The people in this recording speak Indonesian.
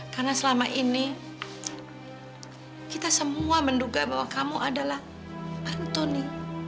karena selama ini kita semua menduga bahwa kamu adalah antoni